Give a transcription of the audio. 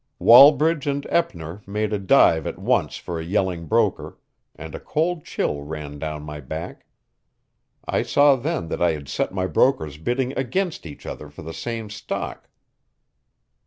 Wallbridge and Eppner made a dive at once for a yelling broker, and a cold chill ran down my back. I saw then that I had set my brokers bidding against each other for the same stock.